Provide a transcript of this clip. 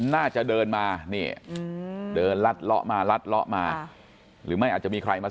น่าจะเดินมานี่เดินลัดเลาะมาลัดเลาะมาหรือไม่อาจจะมีใครมา